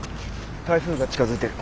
台風が近づいてる。